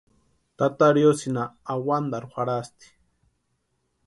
Tata riosïnha awantarhu jarhasti.